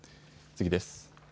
次です。